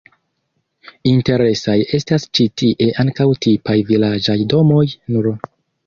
Interesaj estas ĉi tie ankaŭ tipaj vilaĝaj domoj nr.